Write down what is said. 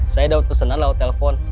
saya dapet pesanan lalu telpon